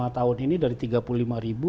lima tahun ini dari tiga puluh lima ribu